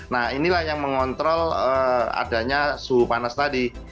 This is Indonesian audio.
nah inilah yang mengontrol adanya suhu panas tadi